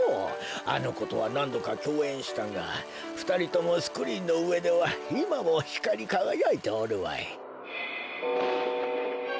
あのことはなんどかきょうえんしたがふたりともスクリーンのうえではいまもひかりかがやいておるわい。